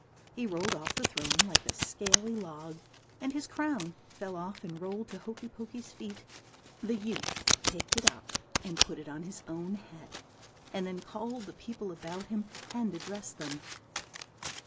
He rolled off the throne like a scaly log, and his crown fell off and rolled to Hokey Pokey's feet. The youth picked it up and put it on his own head, and then called the people about him and addressed them.